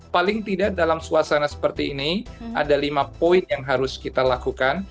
paling tidak dalam suasana seperti ini ada lima poin yang harus kita lakukan